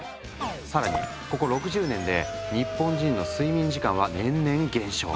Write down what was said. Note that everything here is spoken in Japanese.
更にここ６０年で日本人の睡眠時間は年々減少。